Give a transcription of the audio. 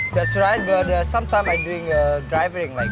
betul tapi kadang kadang saya melakukan penggunaan seperti itu